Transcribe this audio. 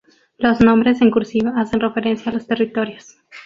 Los nombres en cursiva hacen referencia a los territorios.